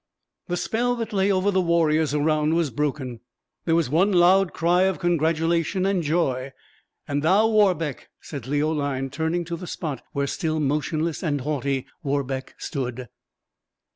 The spell that lay over the warriors around was broken; there was one loud cry of congratulation and joy. "And thou, Warbeck!" said Leoline, turning to the spot where, still motionless and haughty, Warbeck stood.